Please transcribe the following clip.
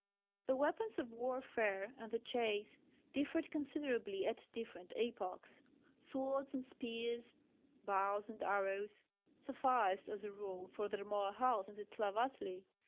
The weapons of warfare and the chase differed considerably at different epochs. Swords and spears, bows and arrows sufficed as a rule for the Rmoahals and the Tlavatli.